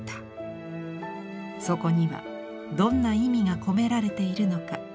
そこにはどんな意味が込められているのか。